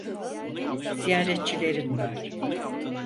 Ziyaretçilerin var.